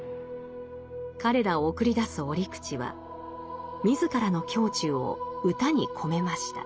彼らを送り出す折口は自らの胸中を歌に込めました。